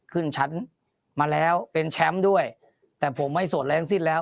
ขึ้นชั้นมาแล้วเป็นแชมป์ด้วยแต่ผมไม่โสดแรงสิ้นแล้ว